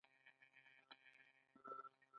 ایا زما ناروغي علاج لري؟